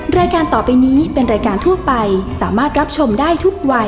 รายการต่อไปนี้เป็นรายการทั่วไปสามารถรับชมได้ทุกวัย